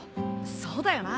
そうだよな。